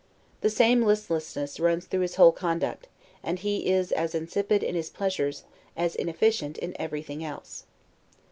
The same listlessness runs through his whole conduct, and he is as insipid in his pleasures, as inefficient in everything else.